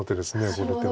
この手は。